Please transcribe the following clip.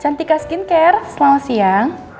cantika skincare selamat siang